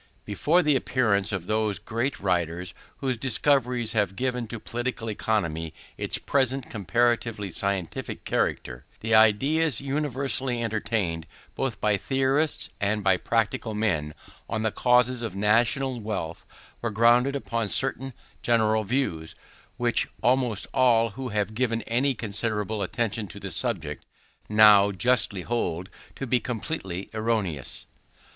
Before the appearance of those great writers whose discoveries have given to political economy its present comparatively scientific character, the ideas universally entertained both by theorists and by practical men, on the causes of national wealth, were grounded upon certain general views, which almost all who have given any considerable attention to the subject now justly hold to be completely erroneous.